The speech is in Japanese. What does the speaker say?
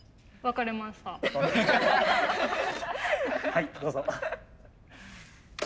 はいどうぞ。